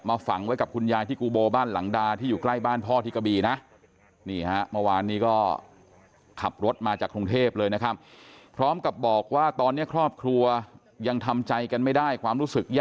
ฝังไว้กับคุณยายที่กูโบบ้านหลังดาที่อยู่ใกล้บ้านพ่อที่กะบีนะ